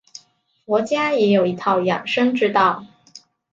佛家也有一套养生之道。